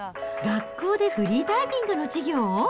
学校でフリーダイビングの授業？